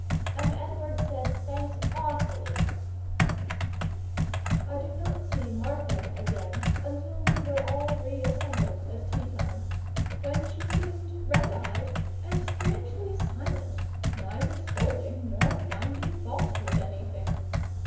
And Edward said, Thanks AWFULLY" I did not see Martha again until we were all re assembled at tea time, when she seemed red eyed and strangely silent, neither scolding nor finding fault with anything.